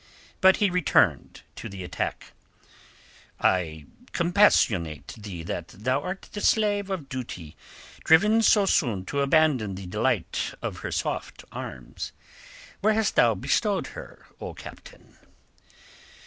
But he returned to the attack. "I compassionate thee that art the slave of duty, driven so soon to abandon the delight of her soft arms. Where hast thou bestowed her, O captain?"